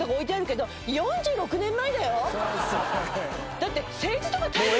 だって。